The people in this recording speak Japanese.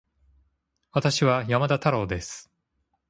私は山田太郎です